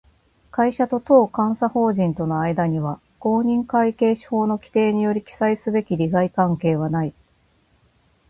会社と当監査法人との間には、公認会計士法の規定により記載すべき利害関係はない